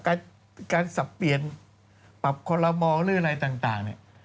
การสับเปลี่ยนปรับคอลโลมอลหรืออะไรต่างเนี่ย